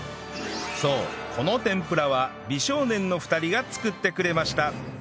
そうこの天ぷらは美少年の２人が作ってくれました